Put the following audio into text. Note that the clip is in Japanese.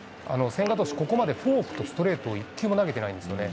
千賀投手、ここまでフォークとストレートを一球も投げてないんですよね。